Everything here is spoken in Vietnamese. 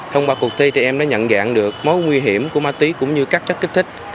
thông qua cuộc thi em đã nhận dạng được mối nguy hiểm của ma túy cũng như các chất kích thích